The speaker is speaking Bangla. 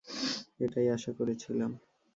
এটাই আশা করেছিলাম।